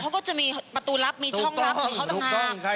เขาก็จะมีประตูลับมีช่องลับของเขาต่าง